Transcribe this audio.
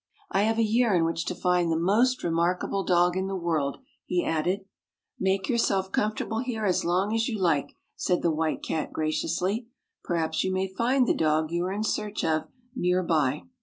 " I have a year in which to find the most remarkable dog in the world," he added. " Make yourself comfortable here as long as you like," said the White Cat graciously. " Perhaps you may find the dog you are in search of near by."